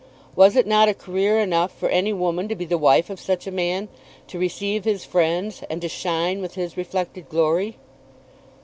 Was it not a career enough for any woman to be the wife of such a man, to receive his friends, and to shine with his reflected glory?